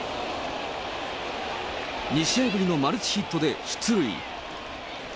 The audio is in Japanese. ２試合ぶりのマルチヒットで出塁。